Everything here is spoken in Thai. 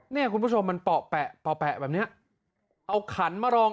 เนี่ยคุณผู้ชมมันเปาะแปะแบบเนี้ยเอาขันมารอง